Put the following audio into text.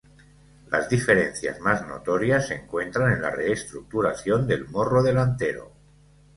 Las diferencias más notorias se encuentran en la reestructuración del morro delantero.